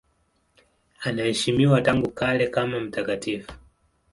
Anaheshimiwa tangu kale kama mtakatifu.